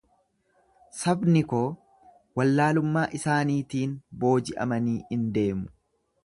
Sabni koo wallaalummaa isaaniitiin booji'amanii in deemu.